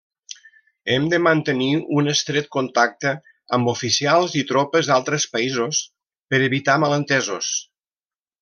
Hem de mantenir un estret contacte amb oficials i tropes d’altres països per evitar malentesos.